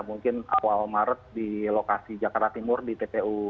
mungkin awal maret di lokasi jakarta timur di tpu